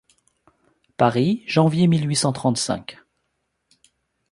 Paris, janvier mille huit cent trente-cinq.